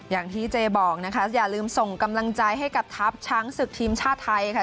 อย่างที่เจบอกนะคะอย่าลืมส่งกำลังใจให้กับทัพช้างศึกทีมชาติไทยค่ะ